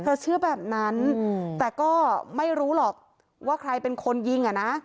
เชื่อแบบนั้นแต่ก็ไม่รู้หรอกว่าใครเป็นคนยิงอ่ะนะ